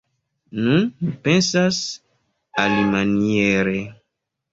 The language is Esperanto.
Nun mi pensas alimaniere.